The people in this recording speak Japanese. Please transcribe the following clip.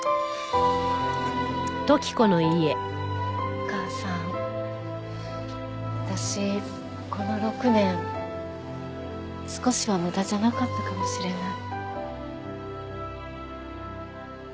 お母さん私この６年少しは無駄じゃなかったかもしれない。